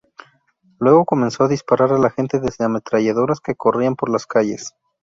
Luego comenzó a disparar a la gente desde ametralladoras que corrían por las calles.